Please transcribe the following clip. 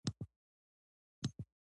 هغه د سرود په بڼه د مینې سمبول جوړ کړ.